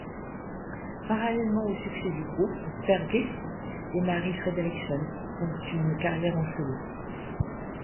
Parallèlement au succès du groupe, Per Gessle et Marie Fredriksson font une carrière solo.